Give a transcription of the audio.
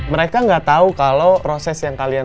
mereka gak tau kalau proses yang kalian